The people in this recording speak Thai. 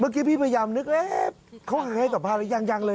เมื่อกี้พี่พยายามนึกเอ๊ะเขาหาใครต่อภาพหรือยังเลย